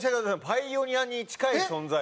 パイオニアに近い存在。